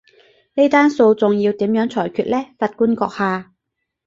呢單訴訟要點樣裁決呢，法官閣下？